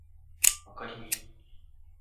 わかりみ